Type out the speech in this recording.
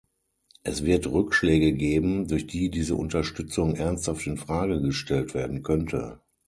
Es wird Rückschläge geben, durch die diese Unterstützung ernsthaft in Frage gestellt werden könnte.